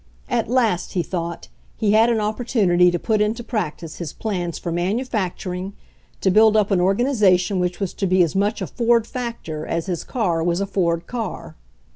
At last, he thought, he had an opportunity to put into practice b^s. plans for manufacturing, to build up an organization which was to be as much a Ford factor as his car was a Ford car.